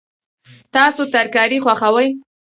تاسو ترکاري خوښوئ؟